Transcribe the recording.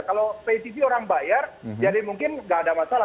kalau pacv orang bayar jadi mungkin nggak ada masalah